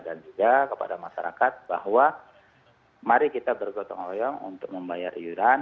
memang ter rohit dan juga kepada masyarakat bahwa mari kita bergotong royong untuk membayar yuran